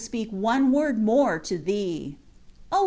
speak one word more to Thee. O!